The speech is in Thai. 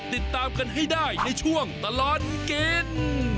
ติดตามกันให้ได้ในช่วงตลอดกิน